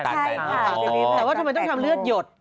แต่ว่าทำไมต้องทำเลือดหยด